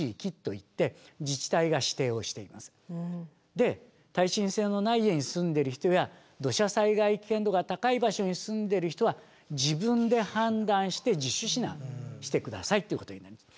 で耐震性のない家に住んでる人や土砂災害危険度が高い場所に住んでる人は自分で判断して自主避難して下さいってことになります。